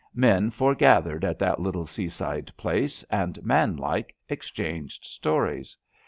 Men foregathered at that little seaside place, and, manlike, exchanged stories.